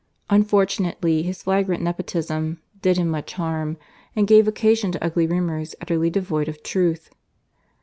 Unfortunately, his flagrant nepotism did him much harm and gave occasion to ugly rumours utterly devoid of truth.